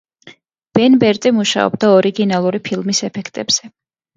ბენ ბერტი მუშაობდა ორიგინალური ფილმის ეფექტებზე.